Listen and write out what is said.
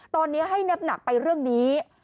ตอนนี้ให้น้ำหนักไปเรื่องนี้